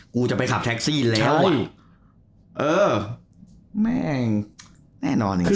กูจะไปขับแท็กซี่แล้วแม่งแน่นอน